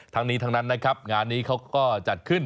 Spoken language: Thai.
ทั้งนี้ทั้งนั้นนะครับงานนี้เขาก็จัดขึ้น